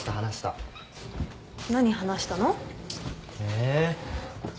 何話したの？え？